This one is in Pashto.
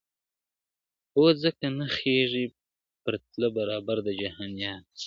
o ځکه نه خېژي په تله برابر د جهان یاره ,